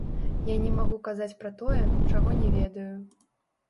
Я не магу казаць пра тое, чаго не ведаю.